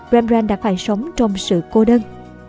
rembrandt đã phải sống trong sự cô đơn